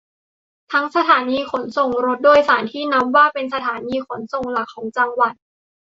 ทั้งสถานีขนส่งรถโดยสารที่นับว่าเป็นสถานีขนส่งหลักของจังหวัด